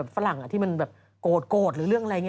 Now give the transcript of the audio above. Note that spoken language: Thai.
ฝรั่งที่มันแบบโกรธหรือเรื่องอะไรอย่างนี้